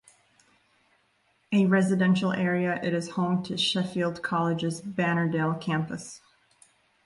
A residential area, it is home to Sheffield College's Bannerdale campus.